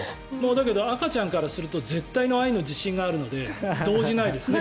だけど赤ちゃんからすると絶対の愛の自信があるので動じないですね。